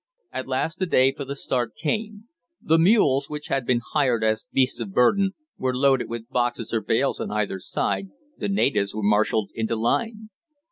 At last the day for the start came. The mules, which had been hired as beasts of burdens, were loaded with boxes or bales on either side, the natives were marshalled into line.